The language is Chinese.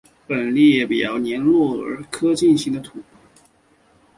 本列表依年号罗列明朝科举考试进士金榜。